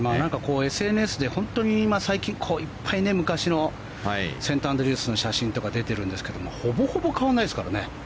ＳＮＳで本当に最近いっぱい昔のセントアンドリュースの写真とか出てるんですけどもほぼほぼ変わらないですからね。